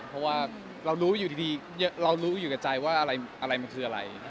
เพราะว่าเรารู้อยู่กับใจว่าอะไรมันคืออะไร